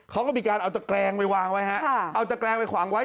เขาก็มีการเอาตะแกรงไปวางไว้